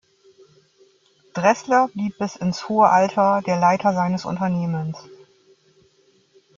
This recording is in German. Dreßler blieb bis ins hohe Alter der Leiter seines Unternehmens.